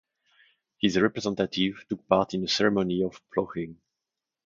His representative took part in a ceremony of ploughing.